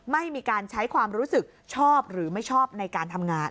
ไม่มีการใช้ความรู้สึกชอบหรือไม่ชอบในการทำงาน